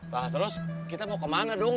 nah terus kita mau kemana dong